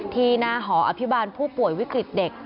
ที่หน้าหออภิบาลผู้ป่วยวิกฤตเด็ก